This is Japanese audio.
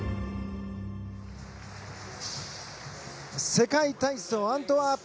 世界体操アントワープ